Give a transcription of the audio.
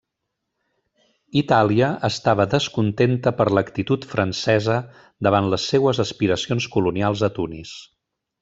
Itàlia estava descontenta per l'actitud francesa davant les seues aspiracions colonials a Tunis.